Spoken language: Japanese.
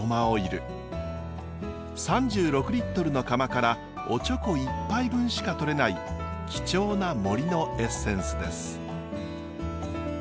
３６リットルの釜からおちょこ１杯分しか取れない貴重な森のエッセンスです。